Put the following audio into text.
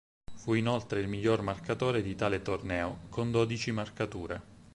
Fu inoltre il miglior marcatore di tale torneo, con dodici marcature.